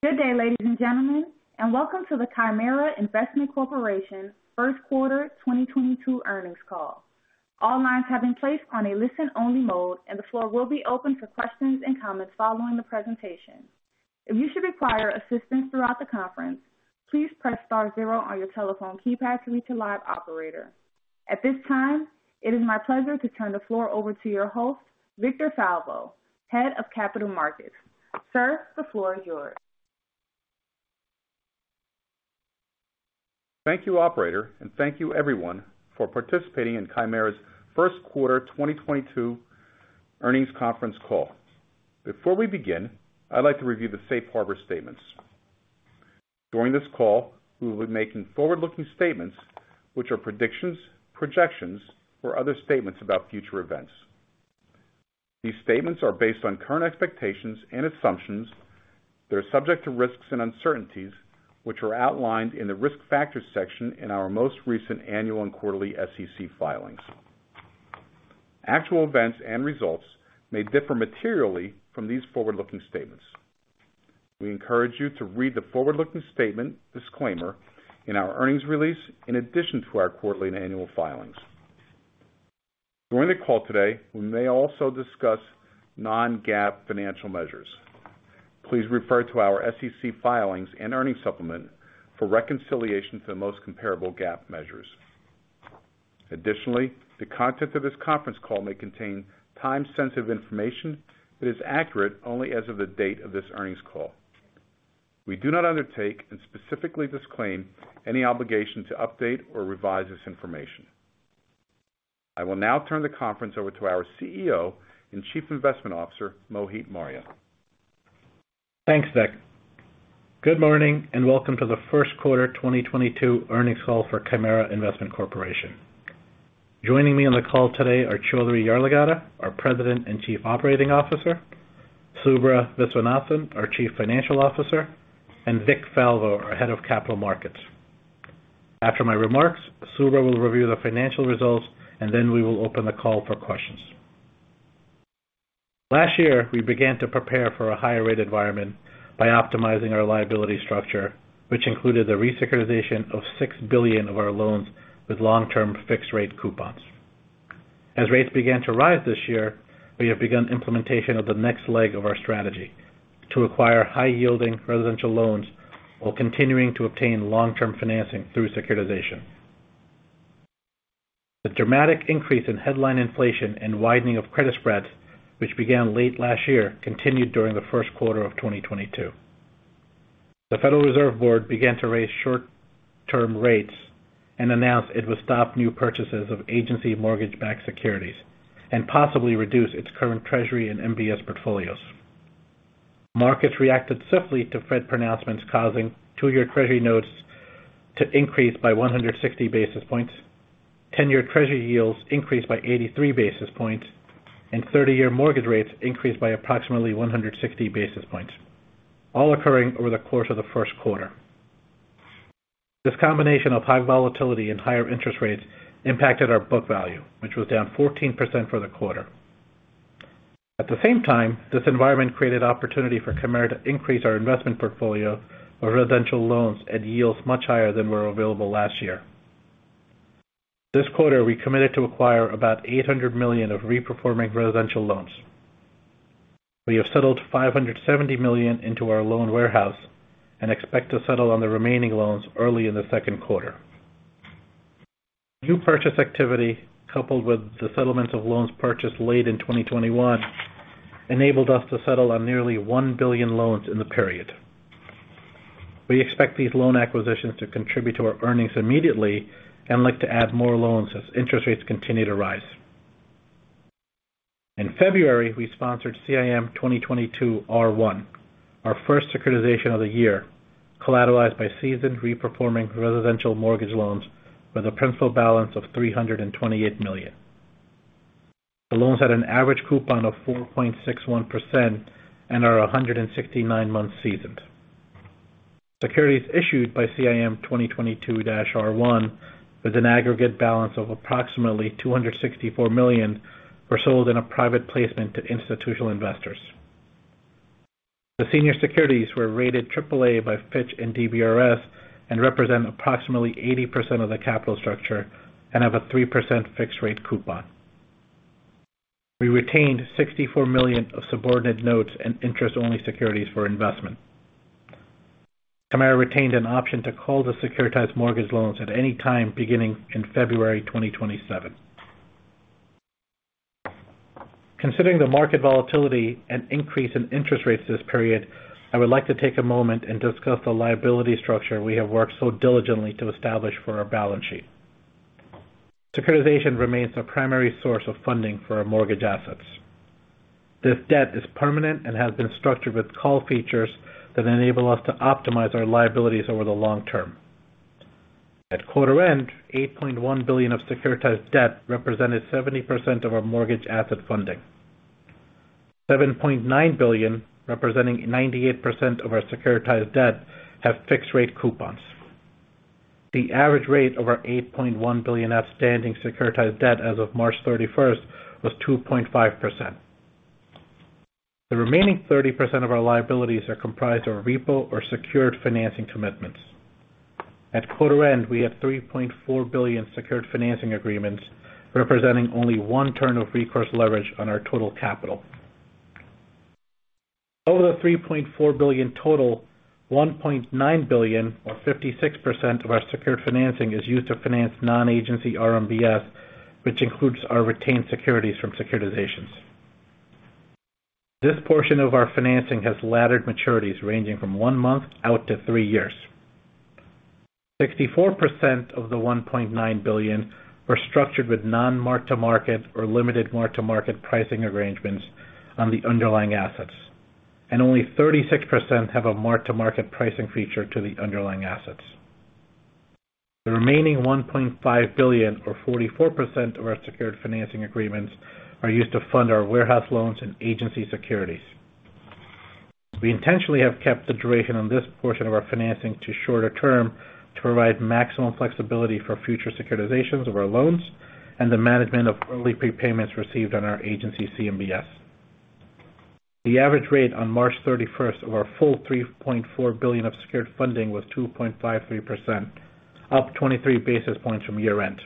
Good day, ladies and gentlemen, and welcome to the Chimera Investment Corporation first quarter 2022 earnings call. All lines have been placed on a listen-only mode, and the floor will be open for questions and comments following the presentation. If you should require assistance throughout the conference, please press star zero on your telephone keypad to reach a live operator. At this time, it is my pleasure to turn the floor over to your host, Victor Falvo, Head of Capital Markets. Sir, the floor is yours. Thank you, operator, and thank you everyone for participating in Chimera's first quarter 2022 earnings conference call. Before we begin, I'd like to review the safe harbor statements. During this call, we will be making forward-looking statements, which are predictions, projections, or other statements about future events. These statements are based on current expectations and assumptions. They're subject to risks and uncertainties, which are outlined in the Risk Factors section in our most recent annual and quarterly SEC filings. Actual events and results may differ materially from these forward-looking statements. We encourage you to read the forward-looking statement disclaimer in our earnings release in addition to our quarterly and annual filings. During the call today, we may also discuss non-GAAP financial measures. Please refer to our SEC filings and earnings supplement for reconciliation to the most comparable GAAP measures. Additionally, the content of this conference call may contain time-sensitive information that is accurate only as of the date of this earnings call. We do not undertake and specifically disclaim any obligation to update or revise this information. I will now turn the conference over to our CEO and Chief Investment Officer, Mohit Marria. Thanks, Vic. Good morning, and welcome to the first quarter 2022 earnings call for Chimera Investment Corporation. Joining me on the call today are Choudhary Yarlagadda, our President and Chief Operating Officer, Subra Viswanathan, our Chief Financial Officer, and Vic Falvo, our Head of Capital Markets. After my remarks, Subra will review the financial results, and then we will open the call for questions. Last year, we began to prepare for a higher rate environment by optimizing our liability structure, which included the re-securitization of $6 billion of our loans with long-term fixed rate coupons. As rates began to rise this year, we have begun implementation of the next leg of our strategy to acquire high-yielding residential loans while continuing to obtain long-term financing through securitization. The dramatic increase in headline inflation and widening of credit spreads, which began late last year, continued during the first quarter of 2022. The Federal Reserve Board began to raise short-term rates and announced it would stop new purchases of agency mortgage-backed securities and possibly reduce its current Treasury and MBS portfolios. Markets reacted swiftly to Fed pronouncements, causing two-year Treasury notes to increase by 160 basis points, ten-year Treasury yields increased by 83 basis points, and 30-year mortgage rates increased by approximately 160 basis points, all occurring over the course of the first quarter. This combination of high volatility and higher interest rates impacted our book value, which was down 14% for the quarter. At the same time, this environment created opportunity for Chimera to increase our investment portfolio of residential loans at yields much higher than were available last year. This quarter, we committed to acquire about $800 million of reperforming residential loans. We have settled $570 million into our loan warehouse and expect to settle on the remaining loans early in the second quarter. New purchase activity, coupled with the settlement of loans purchased late in 2021, enabled us to settle on nearly $1 billion loans in the period. We expect these loan acquisitions to contribute to our earnings immediately and like to add more loans as interest rates continue to rise. In February, we sponsored CIM-2022-R1, our first securitization of the year, collateralized by seasoned reperforming residential mortgage loans with a principal balance of $328 million. The loans had an average coupon of 4.61% and are 169 months seasoned. Securities issued by CIM-2022-R1 with an aggregate balance of approximately $264 million were sold in a private placement to institutional investors. The senior securities were rated triple A by Fitch and DBRS and represent approximately 80% of the capital structure and have a 3% fixed rate coupon. We retained $64 million of subordinate notes and interest-only securities for investment. Chimera retained an option to call the securitized mortgage loans at any time beginning in February 2027. Considering the market volatility and increase in interest rates this period, I would like to take a moment and discuss the liability structure we have worked so diligently to establish for our balance sheet. Securitization remains the primary source of funding for our mortgage assets. This debt is permanent and has been structured with call features that enable us to optimize our liabilities over the long term. At quarter end, $8.1 billion of securitized debt represented 70% of our mortgage asset funding. $7.9 billion, representing 98% of our securitized debt, have fixed rate coupons. The average rate over $8.1 billion outstanding securitized debt as of March 31st was 2.5%. The remaining 30% of our liabilities are comprised of repo or secured financing commitments. At quarter end, we have $3.4 billion secured financing agreements, representing only one turn of recourse leverage on our total capital. Over the $3.4 billion total, $1.9 billion or 56% of our secured financing is used to finance non-agency RMBS, which includes our retained securities from securitizations. This portion of our financing has laddered maturities ranging from one month out to three years. 64% of the $1.9 billion were structured with non-mark-to-market or limited mark-to-market pricing arrangements on the underlying assets, and only 36% have a mark-to-market pricing feature to the underlying assets. The remaining $1.5 billion or 44% of our secured financing agreements are used to fund our warehouse loans and agency securities. We intentionally have kept the duration on this portion of our financing to shorter term to provide maximum flexibility for future securitizations of our loans and the management of early prepayments received on our Agency CMBS. The average rate on March 31st of our full $3.4 billion of secured funding was 2.53%, up 23 basis points from year end.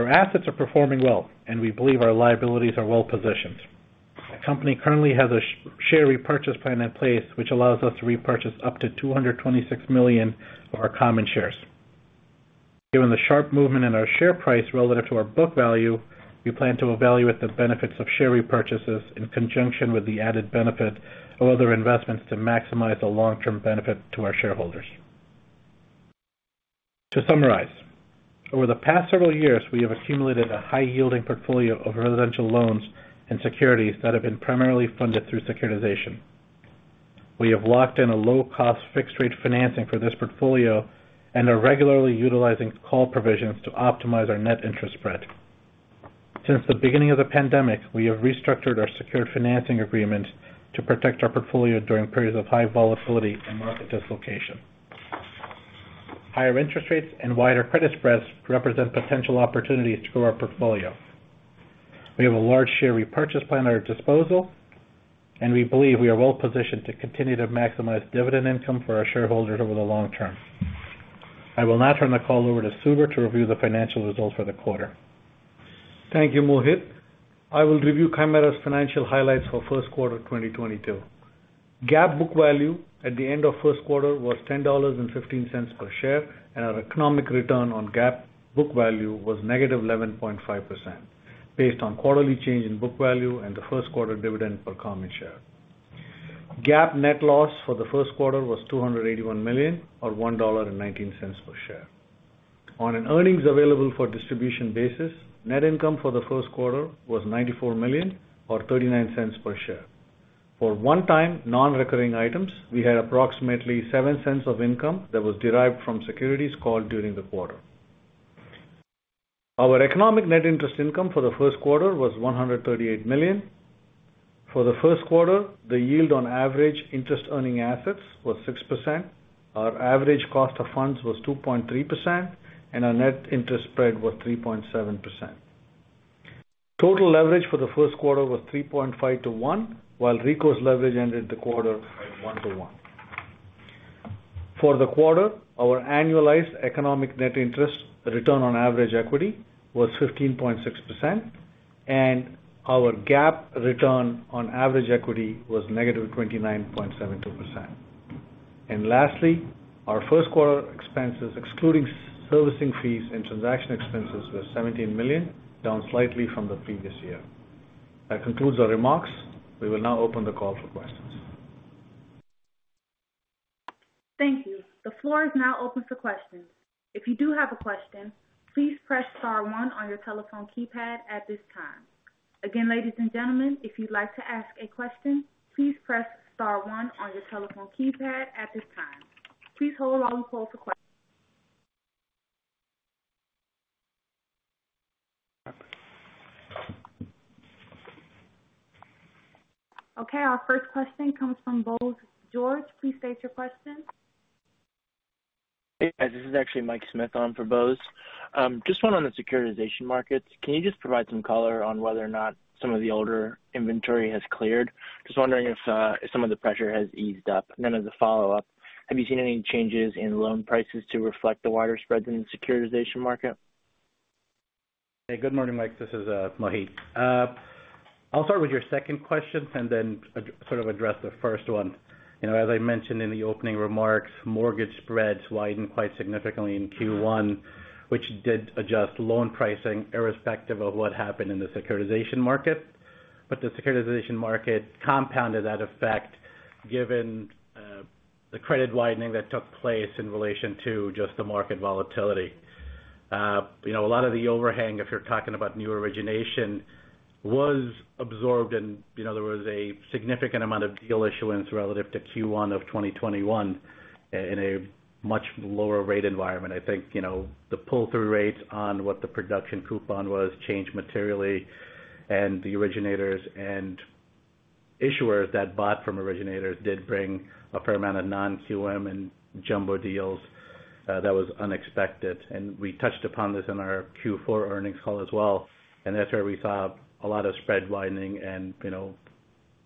Our assets are performing well, and we believe our liabilities are well positioned. The company currently has a share repurchase plan in place which allows us to repurchase up to 226 million of our common shares. Given the sharp movement in our share price relative to our book value, we plan to evaluate the benefits of share repurchases in conjunction with the added benefit of other investments to maximize the long-term benefit to our shareholders. To summarize, over the past several years, we have accumulated a high yielding portfolio of residential loans and securities that have been primarily funded through securitization. We have locked in a low cost fixed rate financing for this portfolio and are regularly utilizing call provisions to optimize our net interest spread. Since the beginning of the pandemic, we have restructured our secured financing agreement to protect our portfolio during periods of high volatility and market dislocation. Higher interest rates and wider credit spreads represent potential opportunities to grow our portfolio. We have a large share repurchase plan at our disposal, and we believe we are well positioned to continue to maximize dividend income for our shareholders over the long term. I will now turn the call over to Subra to review the financial results for the quarter. Thank you, Mohit. I will review Chimera's financial highlights for first quarter 2022. GAAP book value at the end of first quarter was $10.15 per share, and our economic return on GAAP book value was -11.5% based on quarterly change in book value and the first quarter dividend per common share. GAAP net loss for the first quarter was $281 million or $1.19 per share. On an earnings available for distribution basis, net income for the first quarter was $94 million or $0.39 per share. For one-time non-recurring items, we had approximately $0.07 of income that was derived from securities called during the quarter. Our economic net interest income for the first quarter was $138 million. For the first quarter, the yield on average interest earning assets was 6%. Our average cost of funds was 2.3%, and our net interest spread was 3.7%. Total leverage for the first quarter was 3.5 to one, while recourse leverage ended the quarter at one to one. For the quarter, our annualized economic net interest return on average equity was 15.6%, and our GAAP return on average equity was -29.72%. Lastly, our first quarter expenses excluding servicing fees and transaction expenses were $17 million, down slightly from the previous year. That concludes our remarks. We will now open the call for questions. Thank you. The floor is now open for questions. If you do have a question, please press star one on your telephone keypad at this time. Again, ladies and gentlemen, if you'd like to ask a question, please press star one on your telephone keypad at this time. Okay, our first question comes from Bose George. Please state your question. Hey, guys. This is actually Mike Smyth on for Bose George. Just one on the securitization markets. Can you just provide some color on whether or not some of the older inventory has cleared? Just wondering if some of the pressure has eased up. Then as a follow-up, have you seen any changes in loan prices to reflect the wider spreads in the securitization market? Hey, good morning, Mike. This is Mohit. I'll start with your second question and then address the first one. You know, as I mentioned in the opening remarks, mortgage spreads widened quite significantly in Q1, which did adjust loan pricing irrespective of what happened in the securitization market. The securitization market compounded that effect given the credit widening that took place in relation to just the market volatility. You know, a lot of the overhang, if you're talking about new origination, was absorbed and, you know, there was a significant amount of deal issuance relative to Q1 of 2021 in a much lower rate environment. I think, you know, the pull-through rates on what the production coupon was changed materially. The originators and issuers that bought from originators did bring a fair amount of non-QM and jumbo deals that was unexpected. We touched upon this in our Q4 earnings call as well, and that's where we saw a lot of spread widening and, you know,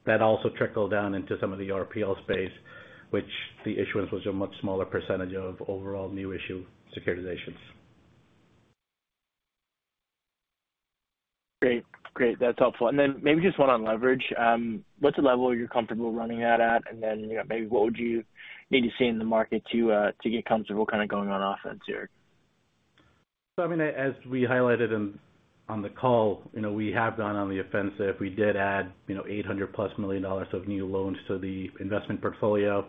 that also trickled down into some of the RPL space, which the issuance was a much smaller percentage of overall new issue securitizations. Great. That's helpful. Maybe just one on leverage. What's the level you're comfortable running that at? You know, maybe what would you need to see in the market to get comfortable kinda going on offense here? I mean, as we highlighted on the call, you know, we have gone on the offensive. We did add, you know, $800+ million of new loans to the investment portfolio.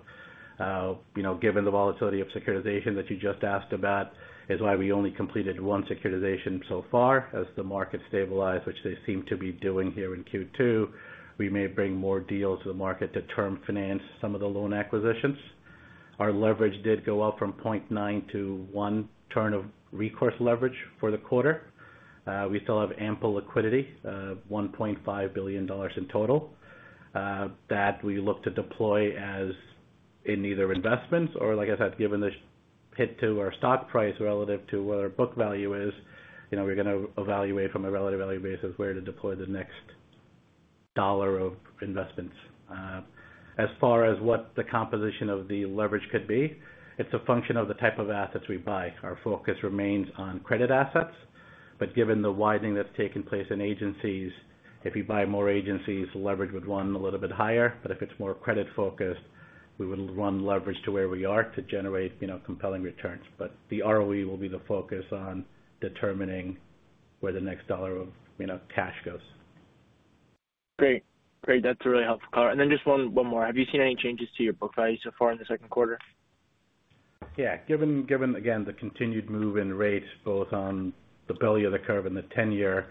You know, given the volatility of securitization that you just asked about is why we only completed one securitization so far. As the market stabilize, which they seem to be doing here in Q2, we may bring more deals to the market to term finance some of the loan acquisitions. Our leverage did go up from 0.9 to one turn of recourse leverage for the quarter. We still have ample liquidity, $1.5 billion in total that we look to deploy as in either investments or like I said, given the hit to our stock price relative to where our book value is, you know, we're gonna evaluate from a relative value basis where to deploy the next dollar of investments. As far as what the composition of the leverage could be, it's a function of the type of assets we buy. Our focus remains on credit assets, but given the widening that's taken place in agencies, if we buy more agencies, leverage would run a little bit higher. If it's more credit-focused, we would run leverage to where we are to generate, you know, compelling returns. The ROE will be the focus on determining where the next dollar of, you know, cash goes. Great. That's a really helpful color. Just one more. Have you seen any changes to your book value so far in the second quarter? Yeah. Given again, the continued move in rates both on the belly of the curve and the 10-year,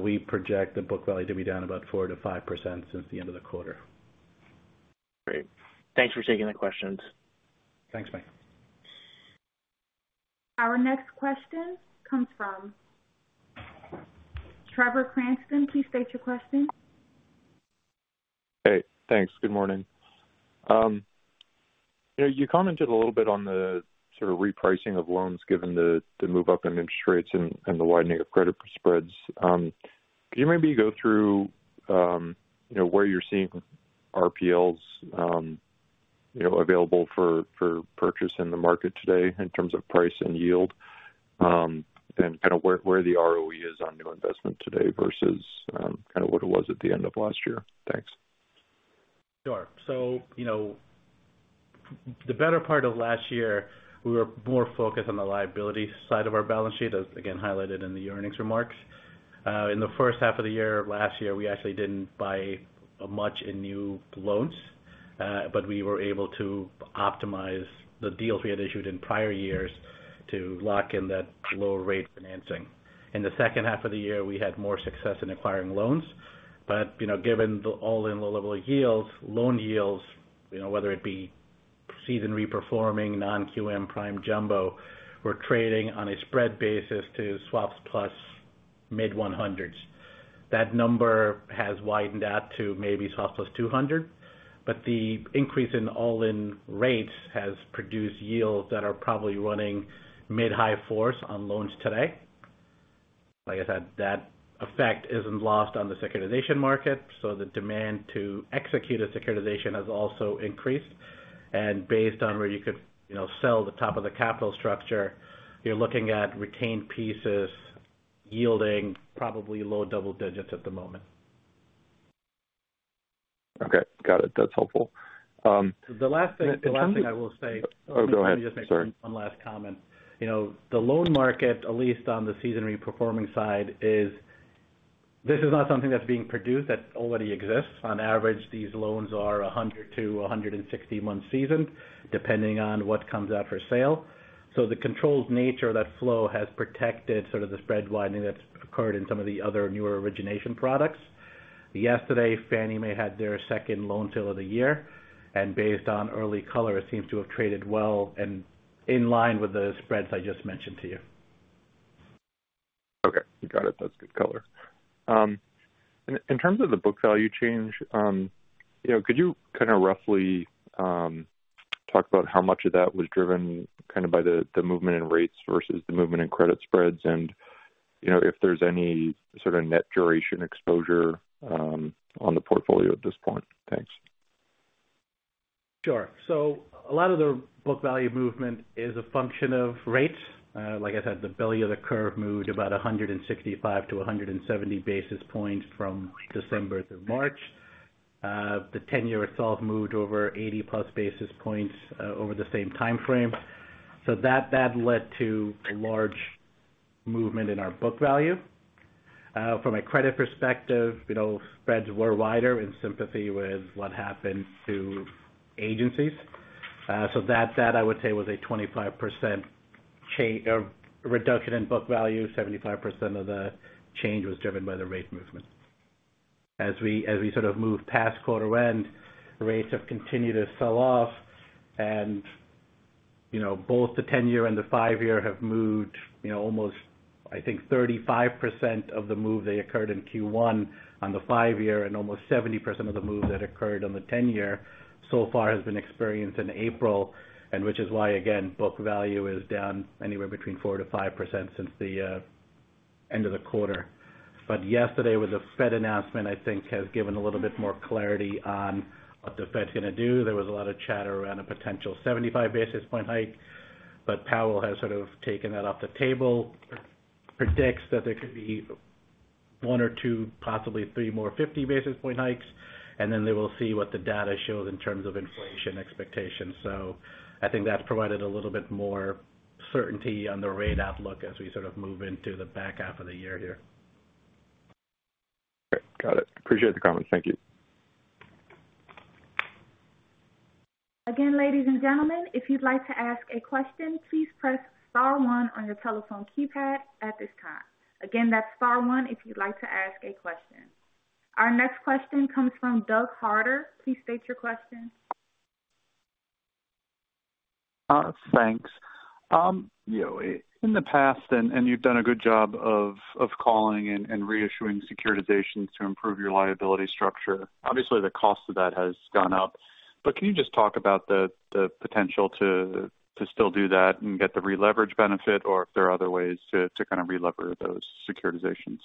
we project the book value to be down about 4%-5% since the end of the quarter. Great. Thanks for taking the questions. Thanks, Mike. Our next question comes from Trevor Cranston. Please state your question. Hey, thanks. Good morning. You know, you commented a little bit on the sort of repricing of loans given the move up in interest rates and the widening of credit spreads. Could you maybe go through, you know, where you're seeing RPLs available for purchase in the market today in terms of price and yield, and kinda where the ROE is on new investment today versus kinda what it was at the end of last year? Thanks. Sure. You know, the better part of last year, we were more focused on the liability side of our balance sheet as, again, highlighted in the earnings remarks. In the first half of the year, last year, we actually didn't buy much in new loans, but we were able to optimize the deals we had issued in prior years to lock in that lower rate financing. In the second half of the year, we had more success in acquiring loans. You know, given the all-in low level yields, loan yields, you know, whether it be seasoned re-performing, non-QM, prime jumbo, we're trading on a spread basis to swaps plus mid-100s. That number has widened out to maybe swaps plus 200, but the increase in all-in rates has produced yields that are probably running mid-high fours on loans today. Like I said, that effect isn't lost on the securitization market, so the demand to execute a securitization has also increased. Based on where you could, you know, sell the top of the capital structure, you're looking at retained pieces yielding probably low double digits at the moment. Okay, got it. That's helpful. The last thing. In terms of. The last thing I will say. Oh, go ahead. Sorry. Let me just make one last comment. You know, the loan market, at least on the seasoned re-performing side, is not something that's being produced, that already exists. On average, these loans are 100 months-160 months seasoned, depending on what comes out for sale. The controlled nature of that flow has protected sort of the spread widening that's occurred in some of the other newer origination products. Yesterday, Fannie Mae had their second loan sale of the year, and based on early color, it seems to have traded well and in line with the spreads I just mentioned to you. Okay, got it. That's good color. In terms of the book value change, you know, could you kinda roughly talk about how much of that was driven kind of by the movement in rates versus the movement in credit spreads? You know, if there's any sort of net duration exposure on the portfolio at this point? Thanks. Sure. A lot of the book value movement is a function of rates. Like I said, the belly of the curve moved about 165-170 basis points from December through March. The ten-year itself moved over 80+ basis points over the same timeframe. That led to a large movement in our book value. From a credit perspective, you know, spreads were wider in sympathy with what happened to agencies. That I would say was a 25% reduction in book value. 75% of the change was driven by the rate movement. As we sort of move past quarter end, rates have continued to sell off. You know, both the ten-year and the five-year have moved, you know, almost, I think 35% of the move they occurred in Q1 on the five-year and almost 70% of the move that occurred on the ten-year so far has been experienced in April. Which is why, again, book value is down anywhere between 4%-5% since the end of the quarter. Yesterday was a Fed announcement, I think has given a little bit more clarity on what the Fed's gonna do. There was a lot of chatter around a potential 75 basis point hike, but Powell has sort of taken that off the table. Predicts that there could be one or two, possibly three more 50 basis point hikes, and then they will see what the data shows in terms of inflation expectations. I think that's provided a little bit more certainty on the rate outlook as we sort of move into the back half of the year here. Great. Got it. Appreciate the comment. Thank you. Again, ladies and gentlemen, if you'd like to ask a question, please press star one on your telephone keypad at this time. Again, that's star one if you'd like to ask a question. Our next question comes from Doug Harter. Please state your question. Thanks. You know, in the past, and you've done a good job of calling and reissuing securitizations to improve your liability structure. Obviously, the cost of that has gone up. Can you just talk about the potential to still do that and get the releverage benefit or if there are other ways to kind of relever those securitizations?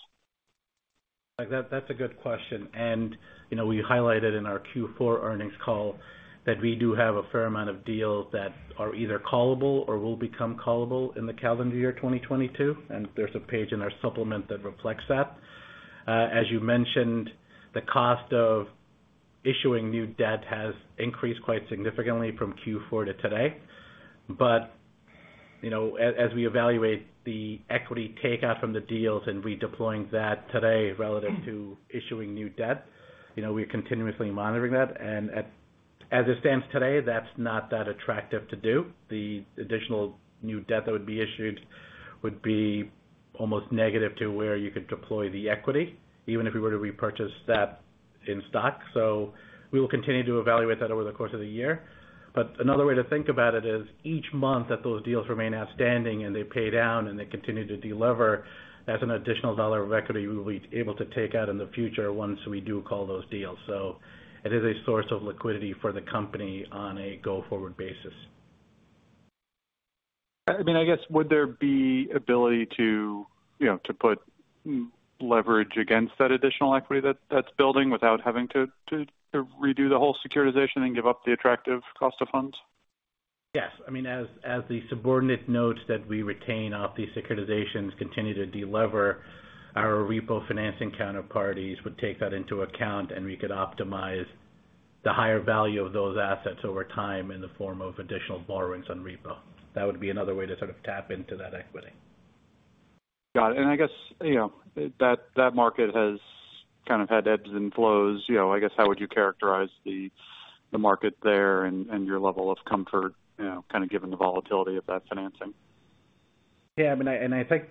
That, that's a good question. You know, we highlighted in our Q4 earnings call that we do have a fair amount of deals that are either callable or will become callable in the calendar year 2022, and there's a page in our supplement that reflects that. As you mentioned, the cost of issuing new debt has increased quite significantly from Q4 to today. You know, as we evaluate the equity takeout from the deals and redeploying that today relative to issuing new debt, you know, we're continuously monitoring that. As it stands today, that's not that attractive to do. The additional new debt that would be issued would be almost negative to where you could deploy the equity, even if we were to repurchase that in stock. We will continue to evaluate that over the course of the year. Another way to think about it is each month that those deals remain outstanding and they pay down and they continue to delever, that's an additional dollar of equity we'll be able to take out in the future once we do call those deals. It is a source of liquidity for the company on a go-forward basis. I mean, I guess would there be ability to, you know, to put leverage against that additional equity that's building without having to redo the whole securitization and give up the attractive cost of funds? Yes. I mean, as the subordinate notes that we retain off these securitizations continue to delever, our repo financing counterparties would take that into account, and we could optimize the higher value of those assets over time in the form of additional borrowings on repo. That would be another way to sort of tap into that equity. Got it. I guess, you know, that market has kind of had ebbs and flows. You know, I guess how would you characterize the market there and your level of comfort, you know, kind of given the volatility of that financing? Yeah. I mean, I think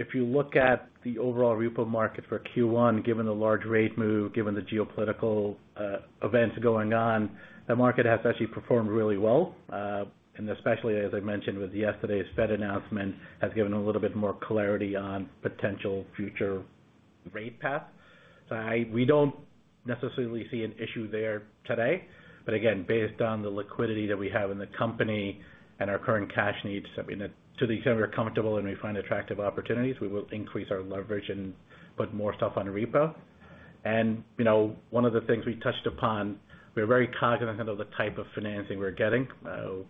if you look at the overall repo market for Q1, given the large rate move, given the geopolitical events going on, the market has actually performed really well. Especially as I mentioned with yesterday's Fed announcement, has given a little bit more clarity on potential future rate path. We don't necessarily see an issue there today. Again, based on the liquidity that we have in the company and our current cash needs, I mean, to the extent we're comfortable and we find attractive opportunities, we will increase our leverage and put more stuff on repo. You know, one of the things we touched upon, we're very cognizant of the type of financing we're getting.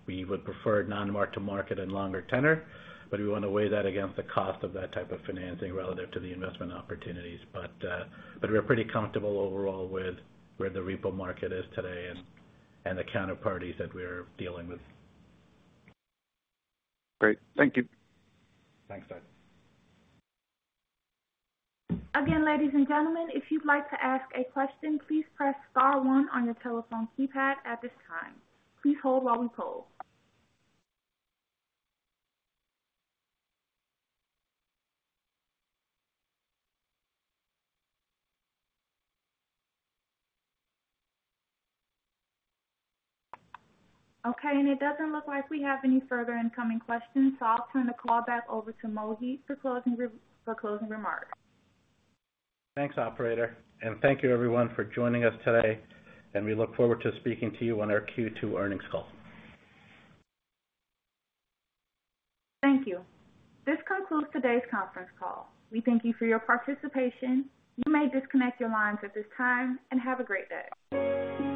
We would prefer non-mark-to-market and longer tenor, but we wanna weigh that against the cost of that type of financing relative to the investment opportunities. We're pretty comfortable overall with where the repo market is today and the counterparties that we're dealing with. Great. Thank you. Thanks, Doug. Again, ladies and gentlemen, if you'd like to ask a question, please press star one on your telephone keypad at this time. Please hold while we poll. Okay, it doesn't look like we have any further incoming questions, so I'll turn the call back over to Mohit for closing remarks. Thanks, operator, and thank you everyone for joining us today, and we look forward to speaking to you on our Q2 earnings call. Thank you. This concludes today's conference call. We thank you for your participation. You may disconnect your lines at this time, and have a great day.